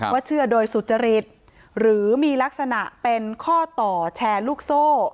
เชื่อโดยสุจริตหรือมีลักษณะเป็นข้อต่อแชร์ลูกโซ่